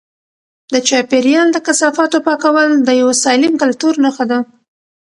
د چاپیریال د کثافاتو پاکول د یو سالم کلتور نښه ده.